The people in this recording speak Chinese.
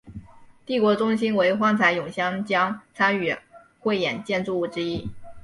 帝国中心为幻彩咏香江参与汇演建筑物之一。